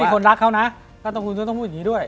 ก็มีคนรักเขานะก็ต้องพูดอย่างนี้ด้วย